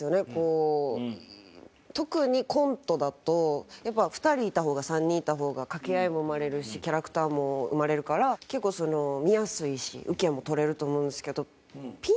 特にコントだとやっぱ２人いた方が３人いた方が掛け合いも生まれるしキャラクターも生まれるから結構その見やすいしウケもとれると思うんですけどピン